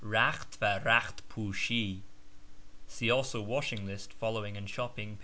(Rakht va rakht poosJwe.) (See also Washing List, following, and Shopping, p.